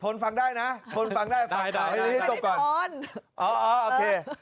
ทนฟังได้นะทนฟังได้ฟังข่าวอันนี้ตกก่อนอ๋อโอเค